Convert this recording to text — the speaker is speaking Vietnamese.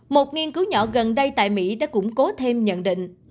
một nghiên cứu nhỏ gần đây tại mỹ đã củng cố thêm nhận định